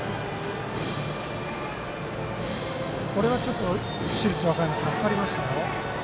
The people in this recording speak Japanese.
これは市立和歌山助かりましたよ。